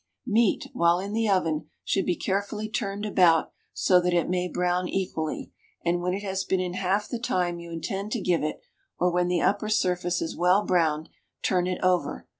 Meat, while in the oven, should be carefully turned about so that it may brown equally, and when it has been in half the time you intend to give it, or when the upper surface is well browned, turn it over.